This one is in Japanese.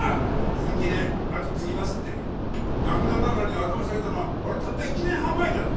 本気で跡継ぎますって涙ながらに頭下げたのはあれたった１年半前だぞ。